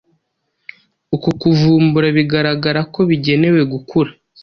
uku kuvumbura biragaragara ko bigenewe gukura